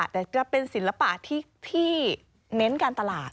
แต่จะเป็นศิลปะที่เน้นการตลาด